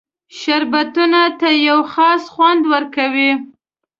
شربتونو ته یو خاص خوند ورکوي.